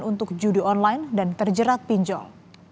untuk judi online dan terjerat pinjol